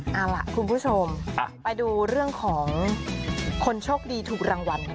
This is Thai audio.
เอาล่ะคุณผู้ชมไปดูเรื่องของคนโชคดีถูกรางวัลค่ะ